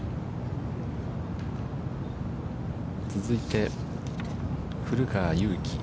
続いて古川雄大。